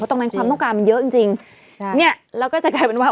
ตรงนั้นความต้องการมันเยอะจริงจริงใช่เนี่ยแล้วก็จะกลายเป็นว่า